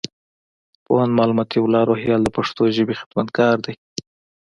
پوهنوال مطيع الله روهيال د پښتو ژبي خدمتګار دئ.